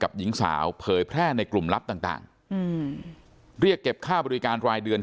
หญิงสาวเผยแพร่ในกลุ่มลับต่างต่างอืมเรียกเก็บค่าบริการรายเดือน